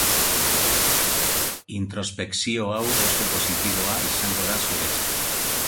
Introspekzio hau oso positiboa izango da zuretzat.